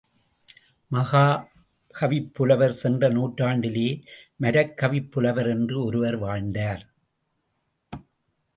மரக்கவிப்புலவர் சென்ற நூற்றாண்டிலே மரக்கவிப்புலவர் என்று ஒருவர் வாழ்ந்தார்.